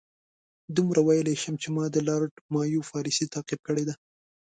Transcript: دومره ویلای شم چې ما د لارډ مایو پالیسي تعقیب کړې ده.